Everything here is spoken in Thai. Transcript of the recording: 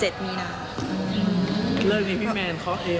เลิกนี้พี่แมนเพราะเองหรือเปล่า